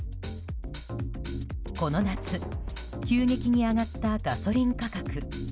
この夏、急激に上がったガソリン価格。